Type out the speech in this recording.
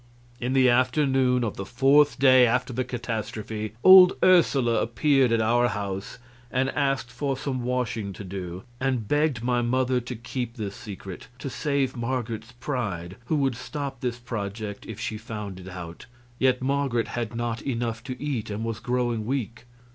In the afternoon of the fourth day after the catastrophe old Ursula appeared at our house and asked for some washing to do, and begged my mother to keep this secret, to save Marget's pride, who would stop this project if she found it out, yet Marget had not enough to eat and was growing weak.